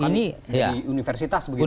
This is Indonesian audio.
di universitas begitu ya